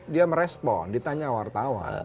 dia merespon ditanya wartawan